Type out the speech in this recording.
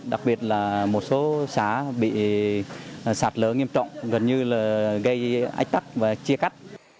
đặc biệt là một số xã bị sạt lở nghiêm trọng gần như là gây ách tắc và chia cắt